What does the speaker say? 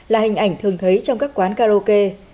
là hình ảnh thường thấy trong các quán karaoke